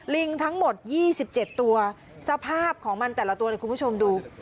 ลิงทั้งหมด๒๗ตัวสภาพของมันแต่ละตัวเนี่ยคุณผู้ชมดู